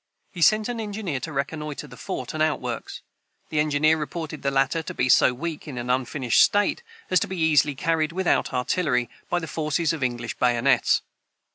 He sent an engineer to reconnoitre the fort and outworks. The engineer reported the latter to be so weak, in an unfinished state, as to be easily carried, without artillery, by the force of English bayonets.